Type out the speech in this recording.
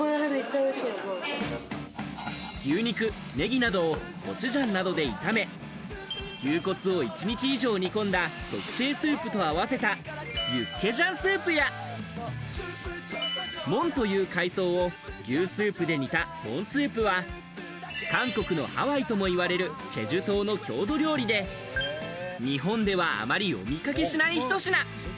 牛肉、ネギなどをコチュジャンなどで炒め、牛骨を１日以上煮込んだ特製スープと合わせたユッケジャンスープやモンという海藻を牛スープで煮たモンスープは韓国のハワイとも言われるチェジュ島の郷土料理で、日本ではあまりお見掛けしないひと品。